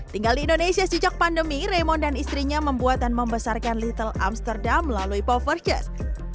tinggal di indonesia sejak pandemi raimon dan istrinya membuat dan membesarkan little amsterdam melalui poverges